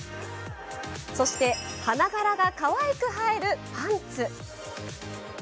そして花柄がかわいく映えるパンツ。